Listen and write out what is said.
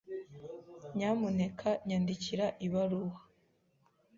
Nyamuneka nyandikira ibaruwa.